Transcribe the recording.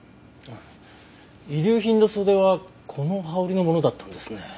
遺留品の袖はこの羽織のものだったんですね。